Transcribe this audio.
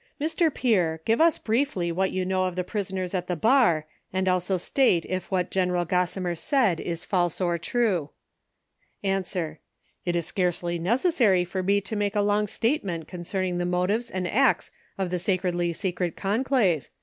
— Mr. Pier, give us briefly what you know of the prisoners at the bar, and also state if what Gen. Gossimer said is false or true. A. — It is scarcely necessary for me to make a long state ment concerning the motives and acts of the Sacredly Se cret Conclave.